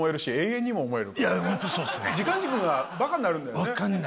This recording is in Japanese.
時間軸がバカになるんだよね。